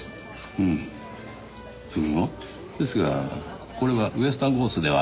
うんそれが？ですがこれはウェスタンゴースではありません。